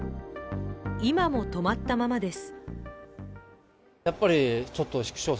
今も止まったままです。